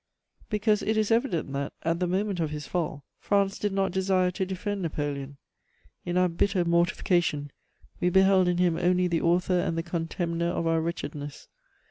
Because it is evident that, at the moment of his fall, France did not desire to defend Napoleon; in our bitter mortification, we beheld in him only the author and the contemner of our wretchedness.